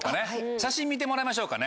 写真見てもらいましょうかね。